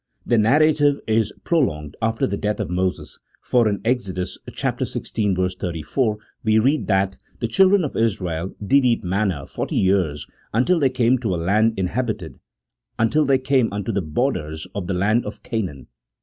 The narrative is prolonged after the death of Moses, for in Exodus xvi. 34 we read that " the children of Israel did eat manna forty years until they came to a land in habited, until they came unto the borders of the land of Canaan."